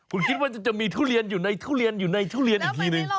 คุณคิดว่าจะมีทุเรียนอยู่ในทุเรียนอยู่ในทุเรียนอีกทีนึง